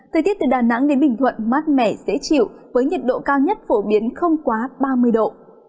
thời tiết từ đà nẵng đến bình thuận mát mẻ dễ chịu với nhiệt độ cao nhất phổ biến không quá ba mươi độ